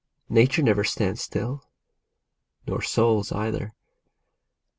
Nature never stands still, nor souls either.